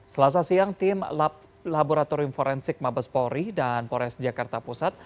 selasa siang tim laboratorium forensik mabes polri dan pores jakarta pusat